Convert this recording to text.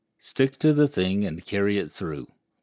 Stick to the thing and carry it through.